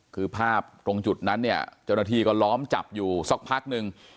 คือภาพตรงจุดนั้นเนี่ยเจ้าหน้าที่ก็ล้อมจับอยู่สักพักนึง